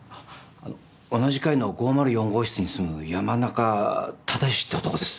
あの同じ階の５０４号室に住む山中唯義って男です。